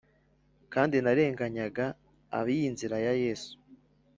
Kandi narenganyaga ab iyi Nzira ya Yesu